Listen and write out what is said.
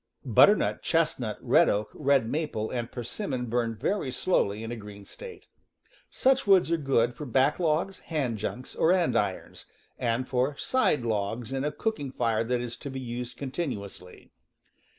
Butternut, chestnut, red oak, red maple, and persimmon burn very slowly in a green state. Such woods are good for backlogs, hand junks or andirons, and for side logs in a cooking fire that is to be used continuously.